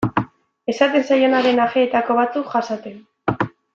Esaten zaionaren ajeetako batzuk jasaten.